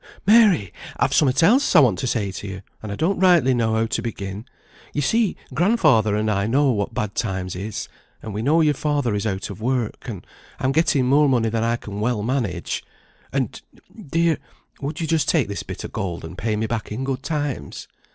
"Mary! I've somewhat else I want to say to you, and I don't rightly know how to begin. You see, grandfather and I know what bad times is, and we know your father is out o' work, and I'm getting more money than I can well manage; and, dear, would you just take this bit o' gold, and pay me back in good times?"